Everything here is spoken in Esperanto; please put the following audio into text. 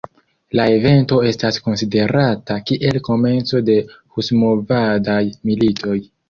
La evento estas konsiderata kiel komenco de husmovadaj militoj.